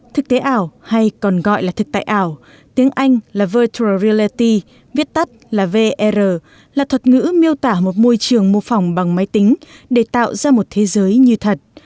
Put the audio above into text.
thực tế ảo hay còn gọi là thực tại ảo tiếng anh là vertal relleti viết tắt là vr là thuật ngữ miêu tả một môi trường mô phỏng bằng máy tính để tạo ra một thế giới như thật